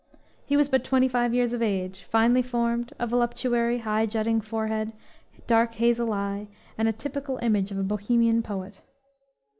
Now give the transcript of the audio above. He was but twenty five years of age, finely formed, a voluptuary, high jutting forehead, dark hazel eye, and a typical image of a bohemian poet.